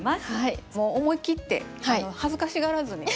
もう思い切って恥ずかしがらずに。